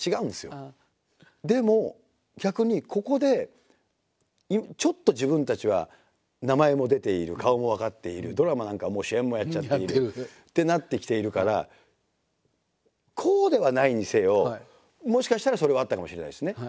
でも逆にここでちょっと自分たちは名前も出ている顔も分かっているドラマなんかも主演もやっちゃっているってなってきているからこうではないにせよもしかしたらそれはあったかもしれないですね。